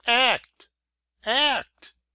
Act! act !